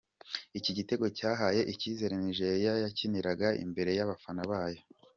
Iki gitego cyahaye icyizere Nigeriya yakiniraga imbere y’abafana bayo.